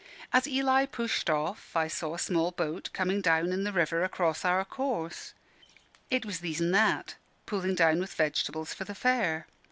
As Eli pushed off, I saw a small boat coming down the river across our course. It was These an' That, pulling down with vegetables for the fair.